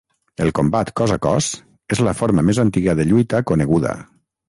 El combat cos a cos és la forma més antiga de lluita coneguda.